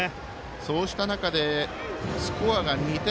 そうした中でスコアが２点。